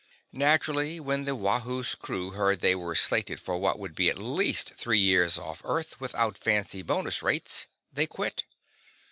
Naturally, when the Wahoo's crew heard they were slated for what would be at least three years off Earth without fancy bonus rates, they quit.